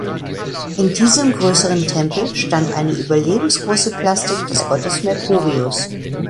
In diesem größeren Tempel stand eine überlebensgroße Plastik des Gottes Mercurius.